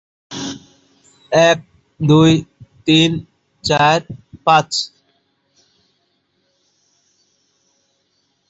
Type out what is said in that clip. নিচের ভল্টেড কক্ষগুলির দেয়ালে বিদ্যমান বইয়ের তাকগুলি এ ধারণাকে জোরালো করে।